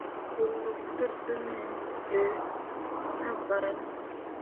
Goluk tǝtǝmmi ɓe ne banne.